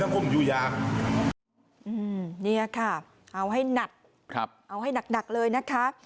นี่ค่ะเอาให้หนักเอาให้หนักเลยนะคะ